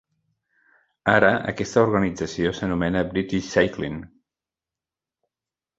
Ara aquesta organització s'anomena British Cycling.